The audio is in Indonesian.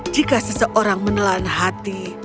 jika seseorang menelan hati